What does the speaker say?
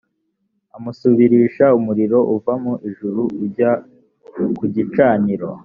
amusubirisha umuriro uva mu ijuru ujya ku gicaniro